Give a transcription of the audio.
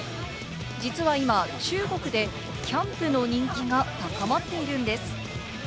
実は今、中国でキャンプの人気が高まっているんです。